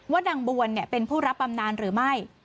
นางบวนเป็นผู้รับบำนานหรือไม่